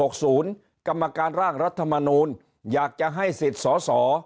กรรมการร่างรัฐมนูลอยากจะให้สิทธิ์สอสอ